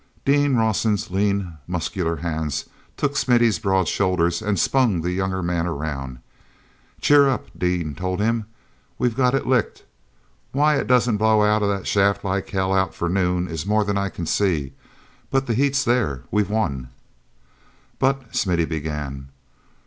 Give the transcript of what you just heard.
Dean Rawson's lean, muscular hands took Smithy's broad shoulders and spun the younger man around. "Cheer up," Dean told him. "We've got it licked. Why it doesn't blow out of that shaft like hell out for noon is more than I can see; but the heat's there! We've won!" "But—" Smithy began.